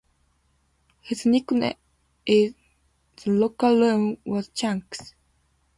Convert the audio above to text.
His nickname in the locker room was Chunks.